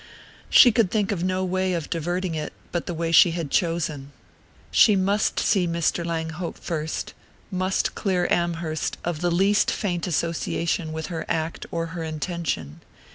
She could think of no way of diverting it but the way she had chosen. She must see Mr. Langhope first, must clear Amherst of the least faint association with her act or her intention.